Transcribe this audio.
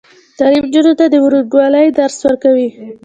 تعلیم نجونو ته د ورورګلوۍ درس ورکوي.